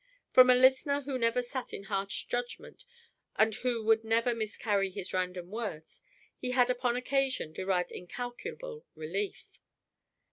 From a listener who never sat in harsh judgment and who would never miscarry his random words, he had upon occasion derived incalculable relief.